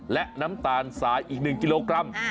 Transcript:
และน้ำตาลสายอีก๑กิโลกรัม